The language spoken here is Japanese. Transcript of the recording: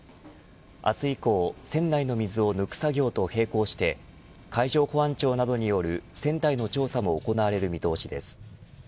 明日以降、船内の水を抜く作業と並行して海上保安庁などによる船体の調査も行われる見通しです。